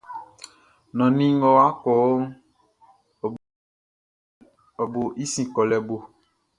Nannin ngʼɔ́ wá kɔ́ʼn, ɔ bo i sin kɔlɛ bo.